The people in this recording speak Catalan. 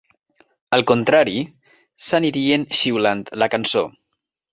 Al contrari, s"anirien xiulant la cançó.